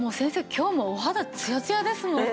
今日もお肌ツヤツヤですもんね。